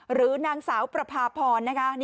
หรือนางสาวประพาพรนะคะ